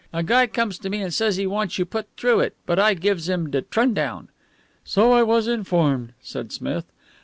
A guy comes to me and says he wants you put through it, but I gives him de trundown." "So I was informed," said Smith.